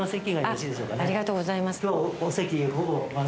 ありがとうございます。